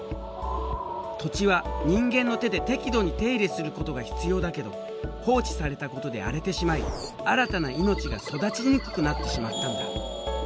土地は人間の手で適度に手入れすることが必要だけど放置されたことで荒れてしまい新たな命が育ちにくくなってしまったんだ。